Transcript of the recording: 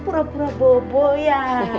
pura pura bobo ya